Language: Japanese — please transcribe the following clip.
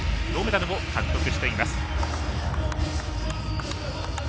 銅メダルを獲得しています。